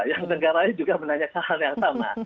yang negaranya juga menanyakan hal yang sama